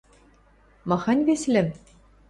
— Махань вес лӹм?